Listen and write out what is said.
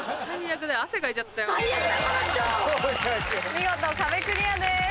見事壁クリアです。